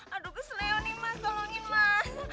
aduh kesel nih mas tolongin mas